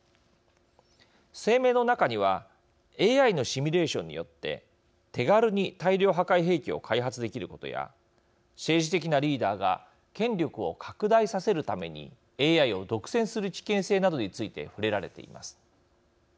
声明の中にはＡＩのシミュレーションによって手軽に大量破壊兵器を開発できることや政治的なリーダーが権力を拡大させるためにＡＩを独占する危険性などについて触れられています。